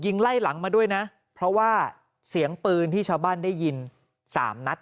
ไล่หลังมาด้วยนะเพราะว่าเสียงปืนที่ชาวบ้านได้ยินสามนัด